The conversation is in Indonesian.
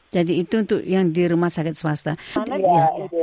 jadi itu untuk yang di rumah sakit swasta